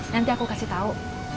nanti aku kasih tau